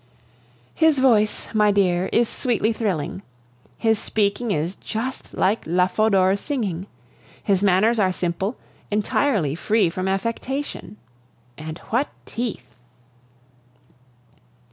His voice, my dear, is sweetly thrilling; his speaking is just like la Fodor's singing. His manners are simple, entirely free from affectation. And what teeth!